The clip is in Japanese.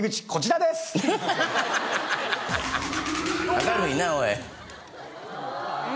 ⁉明るいなおい。